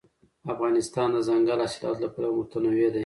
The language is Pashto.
افغانستان د دځنګل حاصلات له پلوه متنوع دی.